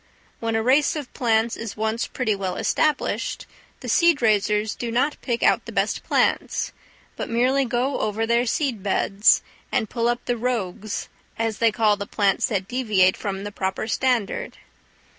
When a race of plants is once pretty well established, the seed raisers do not pick out the best plants, but merely go over their seed beds, and pull up the "rogues," as they call the plants that deviate from the proper standard.